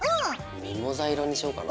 ミモザ色にしようかな。